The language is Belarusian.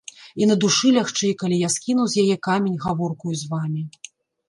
І на душы лягчэй, калі я скінуў з яе камень гаворкаю з вамі.